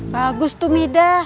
bagus tuh mida